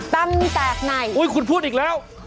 ตำแตกไหนอุ้ยคุณพูดอีกแล้ว